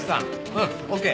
うん。ＯＫ！